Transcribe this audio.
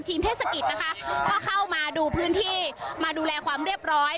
เทศกิจนะคะก็เข้ามาดูพื้นที่มาดูแลความเรียบร้อย